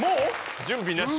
準備なし？